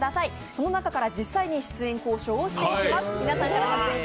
その中から実際に出演交渉をしていきます。